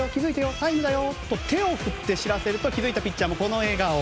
タイムだよと手を振って知らせると気付いたピッチャーもこの笑顔。